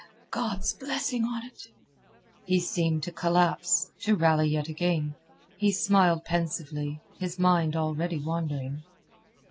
God's blessing on't." He seemed to collapse, to rally yet again. He smiled pensively, his mind already wandering.